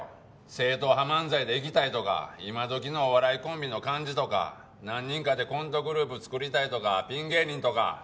正統派漫才でいきたいとか今どきのお笑いコンビの感じとか何人かでコントグループ作りたいとかピン芸人とか。